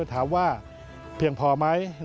ถามว่าเพียงพอไหม